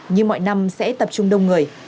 nhưng mọi năm sẽ tập trung đông người